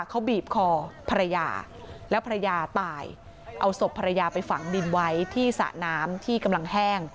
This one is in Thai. เขาบีบคอภรรยาแล้วภรรยาตายเอาศพภรรยาไปฝังดินไว้ที่สระน้ำที่กำลังแห้ง